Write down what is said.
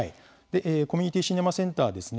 「コミュニティシネマセンター」はですね